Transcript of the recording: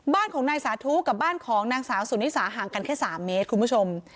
บ้านของนายสาธุกับบ้านของนางสาวสุนิสาห่างกันแค่๓เมตรคุณผู้ชม